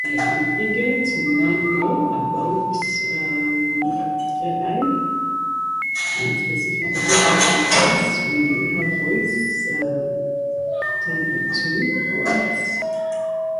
When answered correctly, the contestant was awarded a paid-for exotic holiday.